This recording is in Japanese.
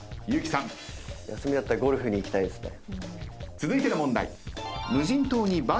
続いての問題。